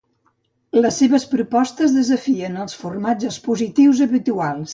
Les seves propostes desafien els formats expositius habituals.